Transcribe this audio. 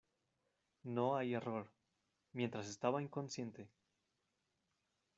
no hay error. mientras estaba inconsciente